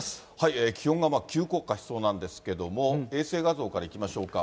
気温が急降下しそうなんですけども、衛星画像からいきましょうか。